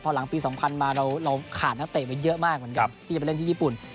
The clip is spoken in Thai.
พอหลังปี๒๐๐มาเราขาดนักเตะไปเยอะมากเหมือนกันที่จะไปเล่นที่ญี่ปุ่น